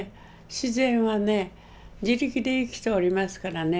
自然はね自力で生きておりますからね